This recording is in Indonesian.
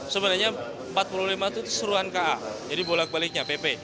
sebenarnya empat puluh lima itu seruan ka jadi bolak baliknya pp